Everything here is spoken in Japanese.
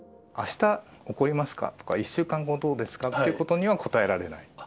あした起こりますかとか、１週間後どうですか？ということには答えられない。